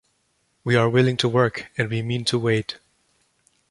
We are willing to work, and we mean to wait.